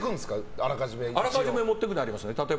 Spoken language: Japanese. あらかじめ持っていく時ありますね。